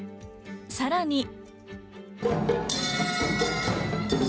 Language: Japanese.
さらに。